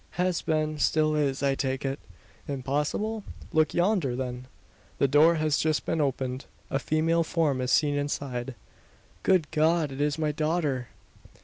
"Has been still is, I take it." "Impossible?" "Look yonder, then!" The door has just been opened. A female form is seen inside. "Good God, it is my daughter!"